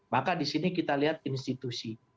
maka disini kita lihat institusi